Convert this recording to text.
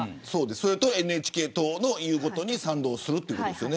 それとＮＨＫ党の言うことに賛同するということですね。